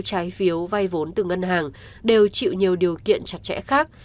trái phiếu vay vốn từ ngân hàng đều chịu nhiều điều kiện chặt chẽ khác